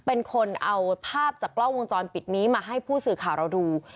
เป็นคนเอาภาพจากกล้องวงจรปิดนี้มาให้ผู้สื่อข่าวเราดู